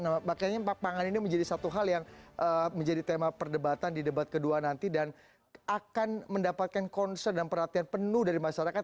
nah makanya pangan ini menjadi satu hal yang menjadi tema perdebatan di debat kedua nanti dan akan mendapatkan concern dan perhatian penuh dari masyarakat